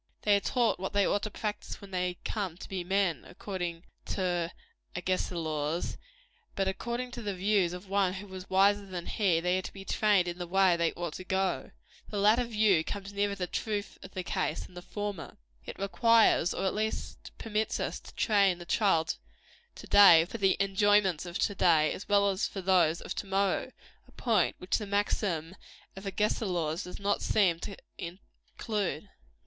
They are to be taught what they ought to practise when they come to be men, according to Agesilaus; but according to the views of one who was wiser than he, they are to be trained in the way they should go. The latter view comes nearer the truth of the case than the former. It requires, or at least permits us, to train up the child to day for the enjoyments of to day, as well as for those of to morrow a point which the maxim of Agesilaus does not seem to include.